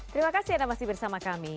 terima kasih anda masih bersama kami